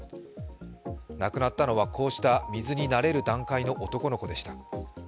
亡くなったのは、こうした水に慣れる段階の男の子でした。